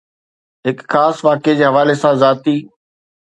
هڪ خاص واقعي جي حوالي سان ذاتي